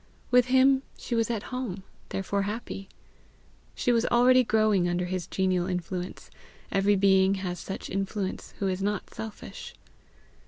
With him she was at home, therefore happy. She was already growing under his genial influence. Every being has such influence who is not selfish.